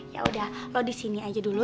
ya udah lo di sini aja dulu